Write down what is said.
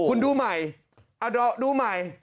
คุณดูใหม่ดูใหม่